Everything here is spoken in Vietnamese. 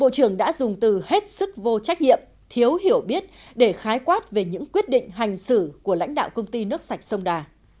bộ trưởng đã dùng từ hết sức vô trách nhiệm thiếu hiểu biết để khái quát về những quyết định hành xử của lãnh đạo công ty nước sạch sông đà